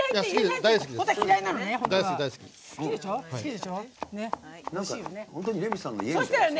大好きです。